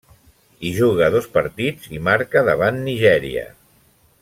Hi juga dos partits i marca davant Nigèria.